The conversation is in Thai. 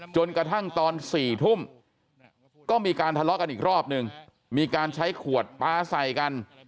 จนกระทั่งตอน๔ทุ่มก็มีการทะเลาะกันอีกรอบนึงมีการใช้ขวดปลาใส่กัน